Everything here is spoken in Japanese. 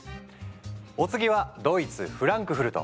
お次はドイツフランクフルト。